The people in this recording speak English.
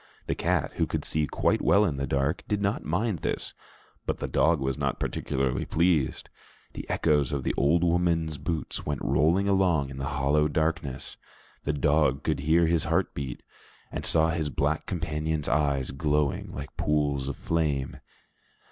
The cat, who could see quite well in the dark, did not mind this, but the dog was not particularly pleased. The echoes of the old woman's boots went rolling along in the hollow darkness; the dog could hear his heart beat, and saw his black companion's eyes glowing like pools of flame.